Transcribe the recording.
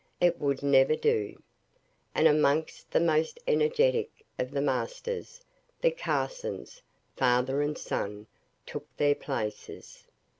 It would never do. And amongst the most energetic of the masters, the Carsons, father and son, took their places.